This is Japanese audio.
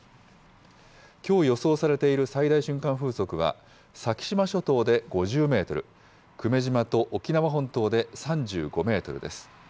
きょう予想されている最大瞬間風速は、先島諸島で５０メートル、久米島と沖縄本島で３５メートルです。